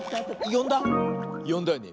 よんだよね？